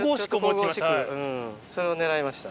それを狙いました。